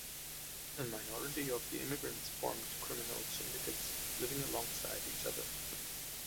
A minority of the immigrants formed criminal syndicates, living alongside each other.